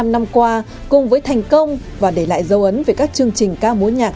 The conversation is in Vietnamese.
bảy mươi năm năm qua cùng với thành công và để lại dấu ấn về các chương trình ca mối nhạc